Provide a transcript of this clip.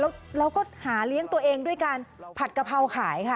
แล้วเราก็หาเลี้ยงตัวเองด้วยการผัดกะเพราขายค่ะ